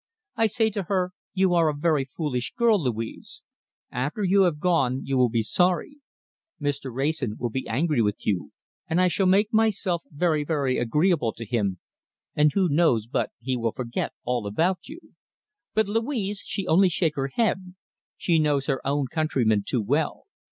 "I say to her, 'You are a very foolish girl, Louise. After you have gone you will be sorry. Mr. Wrayson will be angry with you, and I shall make myself very, very agreeable to him, and who knows but he will forget all about you?' But Louise she only shake her head. She knows her own countrymen too well.